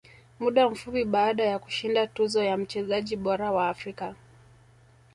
Muda mfupi baada ya kushinda tuzo ya mchezaji bora wa Afrika